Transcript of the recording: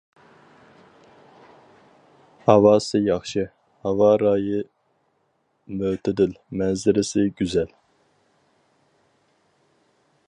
ھاۋاسى ياخشى، ھاۋا رايى مۆتىدىل، مەنزىرىسى گۈزەل.